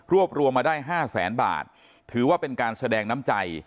รวมมาได้๕แสนบาทถือว่าเป็นการแสดงน้ำใจ